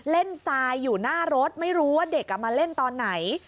ทรายอยู่หน้ารถไม่รู้ว่าเด็กมาเล่นตอนไหน